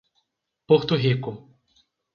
Porto Rico